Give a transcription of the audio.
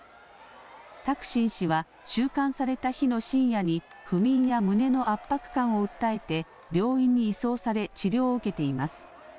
タクシン氏は収監された日の深夜に不眠や胸の圧迫感を訴えて病院に移送され治療を受けています。